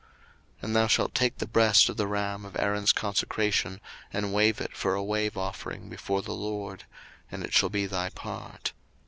02:029:026 And thou shalt take the breast of the ram of Aaron's consecration, and wave it for a wave offering before the LORD: and it shall be thy part.